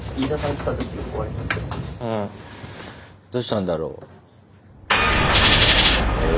どうしたんだろう。え。